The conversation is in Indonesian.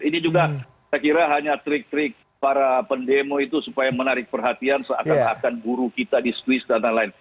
ini juga saya kira hanya trik trik para pendemo itu supaya menarik perhatian seakan akan guru kita di swiss dan lain lain